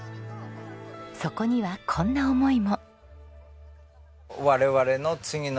そこにはこんな思いも。